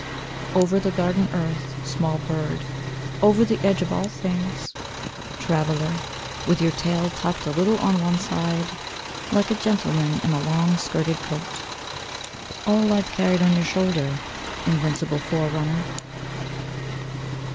Over the garden earth, Small bird, Over the edge of all things. Traveller, With your tail tucked a little on one side Like a gentleman in a long skirted coat. All life carried on your shoulder, Invincible fore runner.